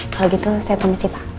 kalau gitu saya permisi pak